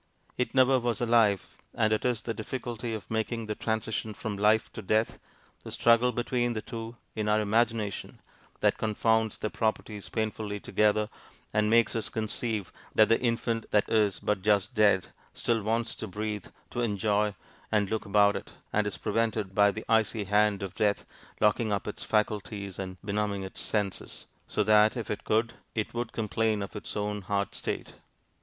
It never was alive; and it is the difficulty of making the transition from life to death, the struggle between the two in our imagination, that confounds their properties painfully together, and makes us conceive that the infant that is but just dead, still wants to breathe, to enjoy, and look about it, and is prevented by the icy hand of death, locking up its faculties and benumbing its senses; so that, if it could, it would complain of its own hard state.